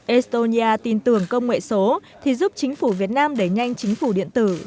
estonia tin tưởng công nghệ số thì giúp chính phủ việt nam đẩy nhanh chính phủ điện tử